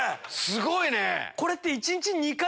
すごいね。